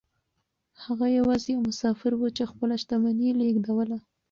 هغه يوازې يو مسافر و چې خپله شتمني يې لېږدوله.